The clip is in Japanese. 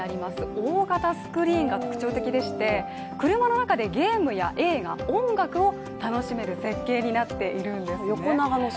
大型スクリーンが特徴的でして車の中でゲームや映画、音楽を楽しめる設計になっているんですね。